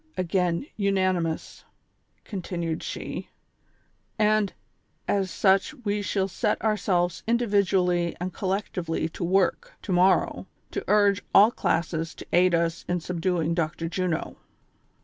Again unanimous," continued she; " and as such we shall set ourselves individually and col lectively to work, to morrow, to urge all classes to aid us in subduing Dr. Juno."